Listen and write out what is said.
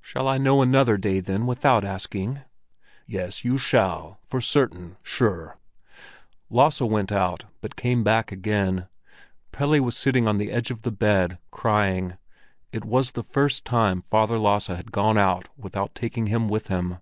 "Shall I know another day, then, without asking?" "Yes, you shall, for certain—sure!" Lasse went out, but came back again. Pelle was sitting on the edge of the bed, crying; it was the first time Father Lasse had gone out without taking him with him.